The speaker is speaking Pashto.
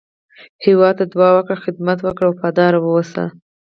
هېواد ته دعا وکړئ، خدمت وکړئ، وفاداره واوسی